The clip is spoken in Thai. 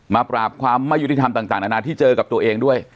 ปราบความไม่ยุติธรรมต่างนานาที่เจอกับตัวเองด้วย